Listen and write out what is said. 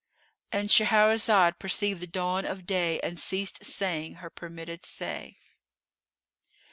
——And Shahrazad perceived the dawn of day and ceased saying her permitted say.